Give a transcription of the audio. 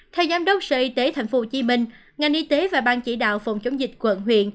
theo giám đốc sở y tế tp hcm ngành y tế và ban chỉ đạo phòng chống dịch quận huyện